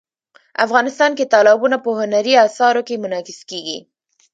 افغانستان کې تالابونه په هنري اثارو کې منعکس کېږي.